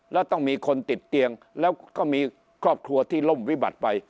แล้วต้องมีคนติดเตียงแล้วก็มีครอบครัวที่ล่มวิบัติไป